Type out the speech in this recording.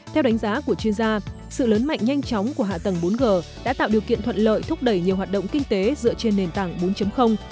theo đánh giá của chuyên gia sự lớn mạnh nhanh chóng của hạ tầng bốn g đã tạo điều kiện thuận lợi thúc đẩy nhiều hoạt động kinh tế dựa trên nền tảng bốn